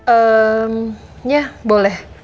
eemm ya boleh